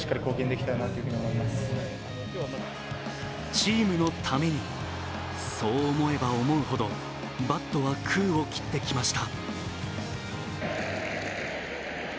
チームのために、そう思えば思うほどバットは空を切ってきました。